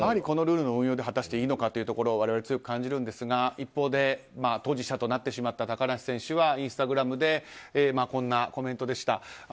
このルールの運用で果たしていいのかというのを私たち強く感じるんですが一方で、当事者となってしまった高梨選手はインスタグラムでこんなコメントでした。